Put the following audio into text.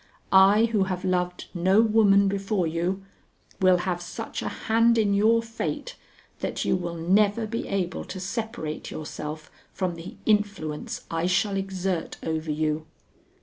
I who have loved no woman before you, will have such a hand in your fate that you will never be able to separate yourself from the influence I shall exert over you.